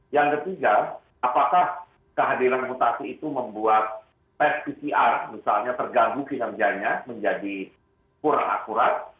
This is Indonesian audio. yang ketiga apakah kehadiran mutasi itu membuat tes pcr misalnya terganggu kinerjanya menjadi kurang akurat